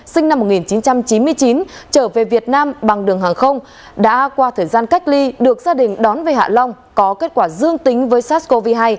sinh năm một nghìn chín trăm chín mươi chín trở về việt nam bằng đường hàng không đã qua thời gian cách ly được gia đình đón về hạ long có kết quả dương tính với sars cov hai